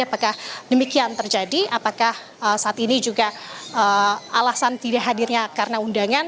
apakah demikian terjadi apakah saat ini juga alasan tidak hadirnya karena undangan